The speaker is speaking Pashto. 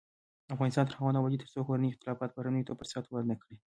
افغانستان تر هغو نه ابادیږي، ترڅو کورني اختلافات بهرنیو ته فرصت ورنکړي.